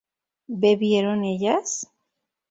¿bebieron ellas?